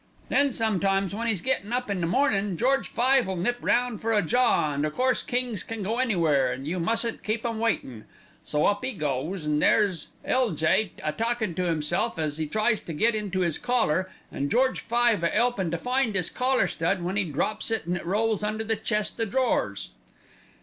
"Then sometimes, when 'e's gettin' up in the mornin', George Five'll nip round for a jaw, and o' course kings can go anywhere, an' you mustn't keep 'em waitin'. So up 'e goes, an' there's L.J. a talkin' to 'imself as 'e tries to get into 'is collar, an' George Five a 'elpin' to find 'is collar stud when 'e drops it an' it rolls under the chest o' drawers."